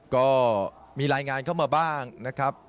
ก็มีรายงานเข้ามาบ้างนะครับ